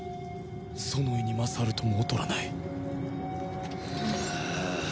ソノイに勝るとも劣らない